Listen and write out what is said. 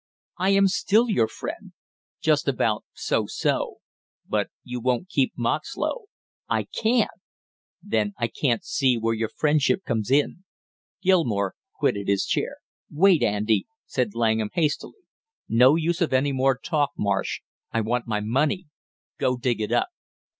"I am still your friend." "Just about so so, but you won't keep Moxlow " "I can't!" "Then I can't see where your friendship comes in." Gilmore quitted his chair. "Wait, Andy!" said Langham hastily. "No use of any more talk, Marsh, I want my money! Go dig it up."